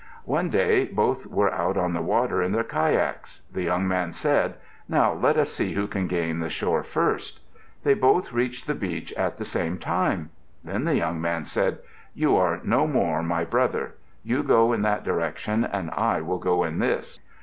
One day both were out on the water in their kayaks. The young man said, "Now let us see who can gain the shore first." They both reached the beach at the same time. Then the young man said, "You are no more my brother. You go in that direction and I will go in this."